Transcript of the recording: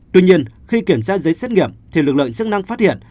tuy nhiên khi kiểm tra giấy xét nghiệm thì lực lượng chức năng phát hiện